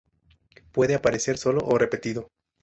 Puede aparecer solo o repetido.